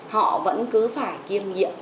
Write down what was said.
họ vẫn cứ phải kiêm nghiệm